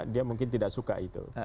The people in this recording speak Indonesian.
dia mungkin tidak suka itu